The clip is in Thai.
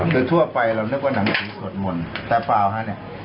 คือทั่วไปเรานึกว่านังสือสดหมดแต่เปล่าฮะเนี้ย